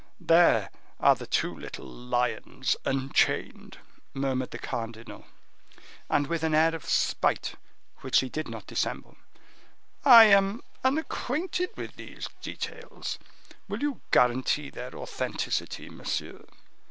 There are the two little lions unchained," murmured the cardinal. And with an air of spite, which he did not dissemble: "I am unacquainted with these details, will you guarantee their authenticity, monsieur?"